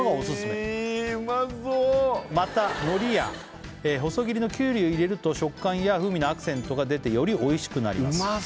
まそうまた海苔や細切りのキュウリを入れると食感や風味のアクセントが出てよりおいしくなりますうま